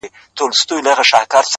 • اوس په ځان پوهېږم چي مين يمه؛